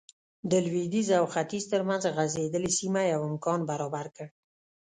د لوېدیځ او ختیځ ترمنځ غځېدلې سیمه یو امکان برابر کړ.